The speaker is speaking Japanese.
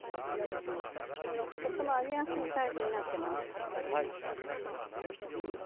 これはとっても揚げやすいサイズになってます。